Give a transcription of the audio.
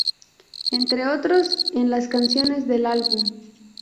Entre otros en las canciones del álbum.